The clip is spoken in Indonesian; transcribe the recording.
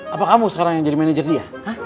apa kamu sekarang yang jadi manajer dia